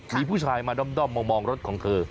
มีผู้ชายมาด้อมมองรถของเธอ